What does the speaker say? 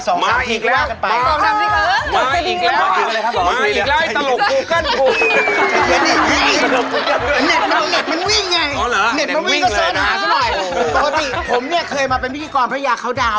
เศรษฐกิจกลับมาฟื้นฟูค่ะพี่เฉานะคะขอมีช่าว